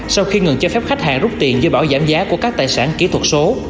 sau khi ngừng cho phép khách hàng rút tiền dưới bảo giảm giá của các tài sản kỹ thuật số